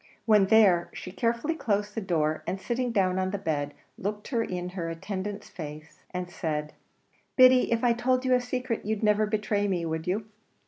When there, she carefully closed the door, and sitting down on the bed, looked in her attendant's face and said, "Biddy, if I told you a secret, you'd never betray me, would you?"